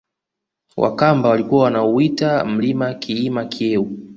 Wakamba walikuwa wanauita mlima kiima Kyeu